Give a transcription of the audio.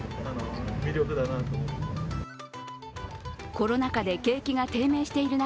コロナ禍で景気が低迷している中